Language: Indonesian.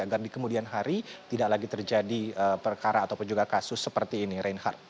agar di kemudian hari tidak lagi terjadi perkara ataupun juga kasus seperti ini reinhardt